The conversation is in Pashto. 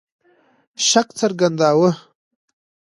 شک څرګنداوه.